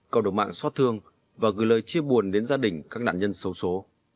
cộng đồng mạng xót thương và gửi lời chia buồn đến gia đình các nạn nhân xấu xố